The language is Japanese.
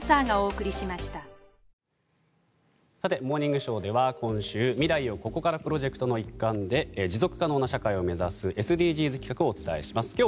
「モーニングショー」では今週未来をここからプロジェクトの一環で持続可能な社会を目指すＳＤＧｓ企画をお伝えします。